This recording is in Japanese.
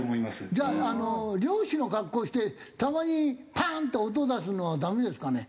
じゃああの猟師の格好をしてたまにパーン！って音を出すのはダメですかね？